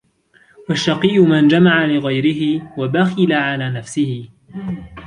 وَالشَّقِيُّ مَنْ جَمَعَ لِغَيْرِهِ وَبَخِلَ عَلَى نَفْسِهِ